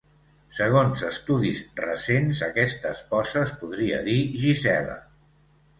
Segons estudis recents aquesta esposa es podria dir Gisela.